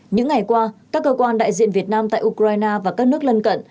những ngày qua các cơ quan đại diện việt nam tại ukraine và các nước lân cận